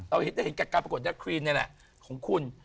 เราเห็นกับการประกวดแรกควีนเนี่ยนะของคุณ